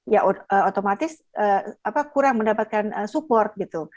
ya otomatis kurang mendapatkan support gitu